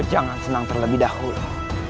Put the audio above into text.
jangan senang terlebih dahulu